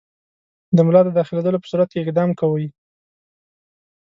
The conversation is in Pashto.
د ملا د داخلېدلو په صورت کې اقدام کوئ.